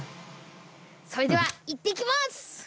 それではいってきます！